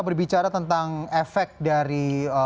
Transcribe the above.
berbicara tentang efek dari